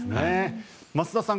増田さん